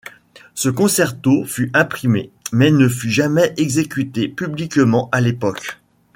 Ce concerto fut imprimé, mais ne fut jamais exécuté publiquement à l'époque.